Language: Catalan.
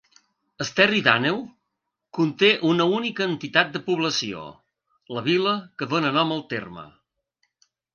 Esterri d'Àneu conté una única entitat de població: la vila que dóna nom al terme.